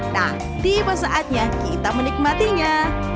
nah tiba saatnya kita menikmatinya